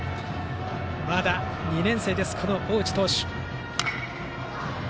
まだ２年生です、大内投手。